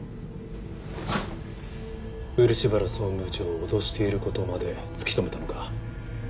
漆原総務部長を脅している事まで突き止めたのか？